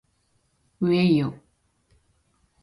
うぇいよ